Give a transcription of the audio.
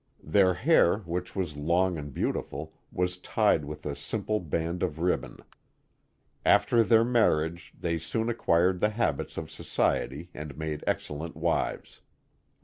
Their hair, which was long and beautiful, was tied with a simple band of ribbon. After their marriage they soon acquired the habits of society, and made excellent wives.